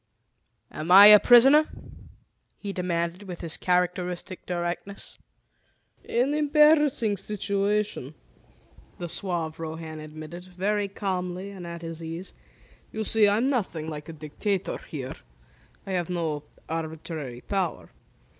"Am I a prisoner?" he demanded with his characteristic directness. "An embarassing situation," the suave Rohan admitted, very calmly and at his ease. "You see, I'm nothing like a dictator here. I have no arbitrary power.